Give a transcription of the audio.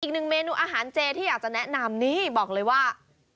อีกหนึ่งเมนูอาหารเจที่อยากจะแนะนำนี่บอกเลยว่า